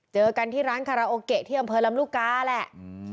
เจอกันที่ร้านคาราโอเกะที่อำเภอลำลูกกาแหละ